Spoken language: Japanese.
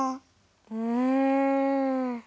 うん。